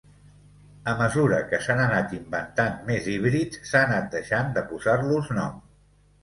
A mesura que s'han anat inventant més híbrids s'ha anat deixant de posar-los nom.